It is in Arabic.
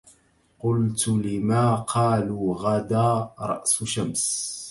قلت لما قالوا غدا رأس شمس